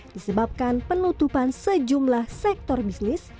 disebabkan penutupan sejumlah sektor bisnis